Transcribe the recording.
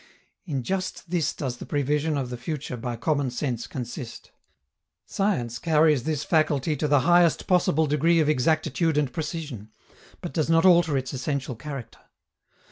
In just this does the prevision of the future by common sense consist. Science carries this faculty to the highest possible degree of exactitude and precision, but does not alter its essential character.